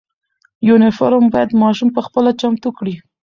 یونیفرم باید ماشوم خپله چمتو کړي.